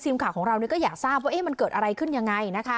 ทีมข่าวของเราก็อยากทราบว่ามันเกิดอะไรขึ้นยังไงนะคะ